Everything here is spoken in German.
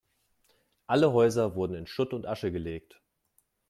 Alle Häuser wurden in Schutt und Asche gelegt.